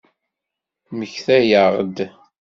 Ttmektayeɣ-d.